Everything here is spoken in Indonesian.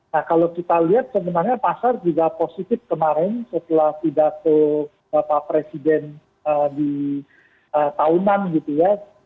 nah kalau kita lihat sebenarnya pasar juga positif kemarin setelah pidato bapak presiden di tahunan gitu ya